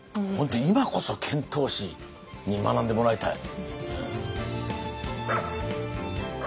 今こそ遣唐使に学んでもらいたい。